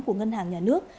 của ngân hàng nhà nước